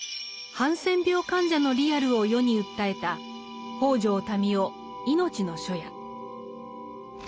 ハンセン病患者のリアルを世に訴えた北條民雄「いのちの初夜」。